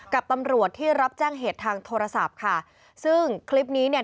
กับตำรวจที่รับแจ้งเหตุทางโทรศัพท์ค่ะซึ่งคลิปนี้เนี่ย